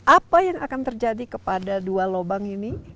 apa yang akan terjadi kepada dua lubang ini